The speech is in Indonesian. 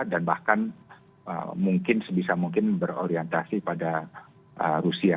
dan bahkan mungkin sebisa mungkin berorientasi pada rusia